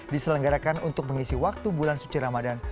diselenggarakan untuk mengisi waktu bulan suci ramadan